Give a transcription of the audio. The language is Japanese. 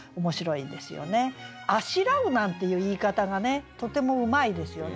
「あしらう」なんていう言い方がねとてもうまいですよね。